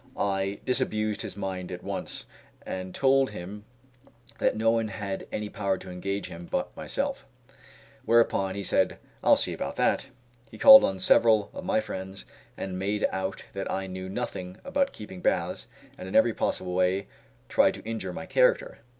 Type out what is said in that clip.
I disabused his mind at once, and told him that no one had any power to engage him but myself; whereupon he said, "I'll see about that." He called on several of my friends and made out that I knew nothing about keeping baths, and in every possible way tried to injure my character.